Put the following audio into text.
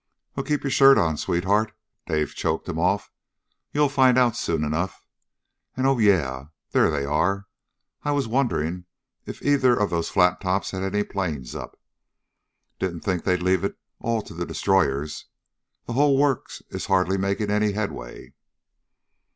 "Well, keep your shirt on, sweetheart," Dave choked him off. "You'll find out soon enough, and Oh yeah! There they are. I was wondering if either of those flat tops had any planes up. Didn't think they'd leave it all to the destroyers. The whole works is hardly making any headway."